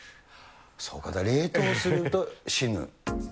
そうか、冷凍すると死ぬ。